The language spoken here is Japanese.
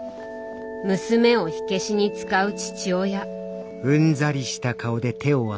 娘を火消しに使う父親。